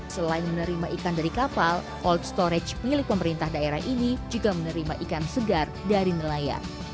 selain menerima ikan dari kapal old storage milik pemerintah daerah ini juga menerima ikan segar dari nelayan